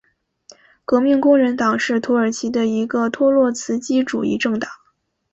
革命工人党是土耳其的一个托洛茨基主义政党。